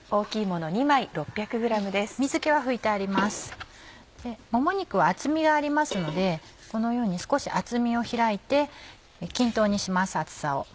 もも肉は厚みがありますのでこのように少し厚みを開いて均等にします厚さを。